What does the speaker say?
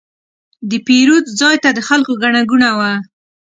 د پیرود ځای ته د خلکو ګڼه ګوڼه وه.